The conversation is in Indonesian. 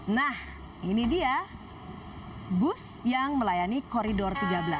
nah ini dia bus yang melayani koridor tiga belas